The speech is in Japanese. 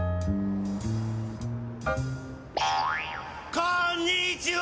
こんにちは！